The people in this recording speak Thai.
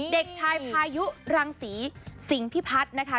เด็กชายพายุรังศรีสิงพิพัฒน์นะคะ